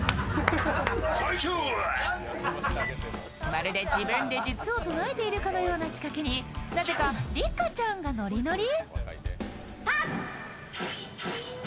まるで自分で術を唱えているかのような仕掛けになぜか六花ちゃんがノリノリ。